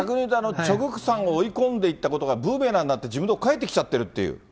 チョ・グクさんを追い込んでいったことが、ブーメランになって自分のところに返ってきちゃってるっていう。